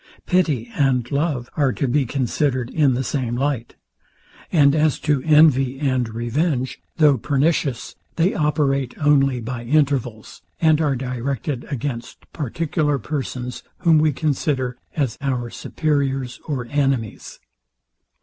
Pity and love are to be considered in the same light. And as to envy and revenge, though pernicious, they operate only by intervals, and are directed against particular persons, whom we consider as our superiors or enemies.